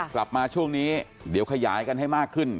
กลับมาช่วงนี้เดี๋ยวขยายกันให้มากขึ้น